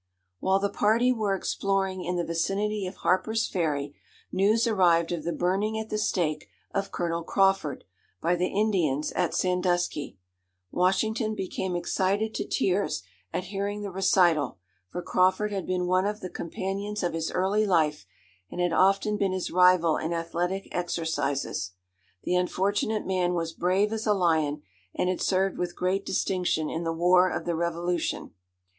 "While the party were exploring in the vicinity of Harper's Ferry, news arrived of the burning at the stake of Colonel Crawford, by the Indians at Sandusky. Washington became excited to tears at hearing the recital, for Crawford had been one of the companions of his early life, and had often been his rival in athletic exercises. The unfortunate man was brave as a lion, and had served with great distinction in the war of the revolution.